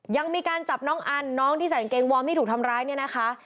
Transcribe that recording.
ยังมีการจับน้องอันน้องที่ใส่กางเกงวอร์มที่ถูกทำร้ายเนี่ยนะคะ